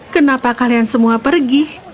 kenapa kalian semua pergi